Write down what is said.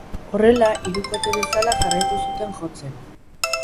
Horrela, hirukote bezala jarraitu zuten jotzen.